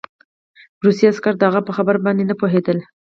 روسي عسکر د هغه په خبره باندې نه پوهېدل